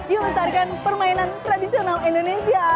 yuk menarikan permainan tradisional indonesia